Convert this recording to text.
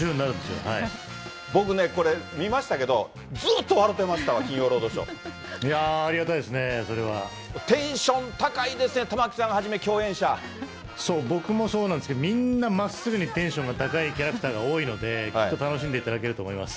僕ね、これ、見ましたけど、ずっとわろてましたわ、いやぁ、ありがたいですね、テンション高いですね、そう、僕もそうなんですけど、みんなまっすぐにテンションが高いキャラクターが多いので、きっと楽しんでいただけると思います。